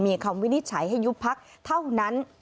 มีคำวินิจฉัยให้ยุบพักเท่านั้น